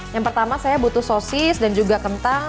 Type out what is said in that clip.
yang pertama saya butuh sosis dan juga kentang